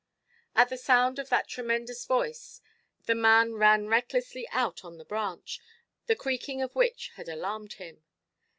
At the sound of that tremendous voice, the man ran recklessly out on the branch, the creaking of which had alarmed him.